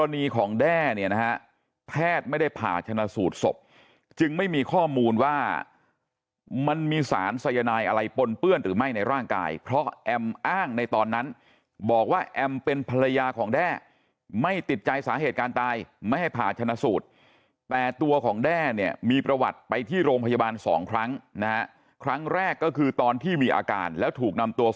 ของแด้เนี่ยนะฮะแพทย์ไม่ได้ผ่าชนะสูตรศพจึงไม่มีข้อมูลว่ามันมีสารสายนายอะไรปนเปื้อนหรือไม่ในร่างกายเพราะแอมอ้างในตอนนั้นบอกว่าแอมเป็นภรรยาของแด้ไม่ติดใจสาเหตุการณ์ตายไม่ให้ผ่าชนะสูตรแต่ตัวของแด้เนี่ยมีประวัติไปที่โรงพยาบาลสองครั้งนะฮะครั้งแรกก็คือตอนที่มีอาการแล้วถูกนำตัว